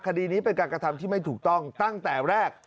คดีนี้เป็นการกระทำที่ไม่ถูกต้องตั้งแต่แรก